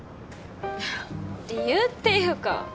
いや理由っていうか。